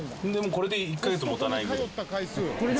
これでも１カ月もたない？